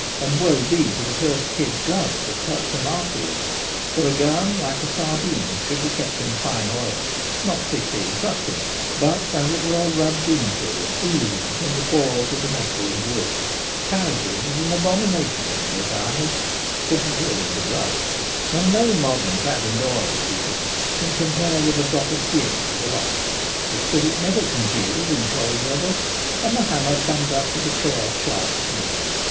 And woe be to the first kid gloves that touch them afterwards ; for a gun, like a sardine 8 The Gamekeeper at Home. should be kept in fine oil, not thickly encrusting it, but, as it were, rubbed into and oozing from the pores of the metal and wood. Paraffin is an abomination in his eyes (for preserving from rust), and no modern patent oil, he thinks, can compare with a drop of gin for the locks — the spirit never congeals in cold weather, and the hammer comes up with a clear, sharp snick.